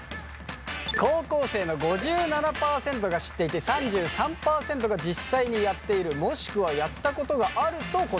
高校生の５７％が知っていて３３％が実際にやっているもしくはやったことがあると答えました。